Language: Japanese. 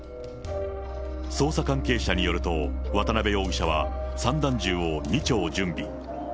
捜査関係者によると、渡辺容疑者は散弾銃を２丁準備。